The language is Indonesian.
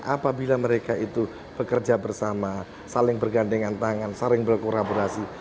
apabila mereka itu bekerja bersama saling bergandengan tangan saling berkolaborasi